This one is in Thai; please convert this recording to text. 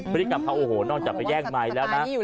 พฤติกรรมเขาโอ้โหนอกจากไปแย่งไมค์แล้วนะ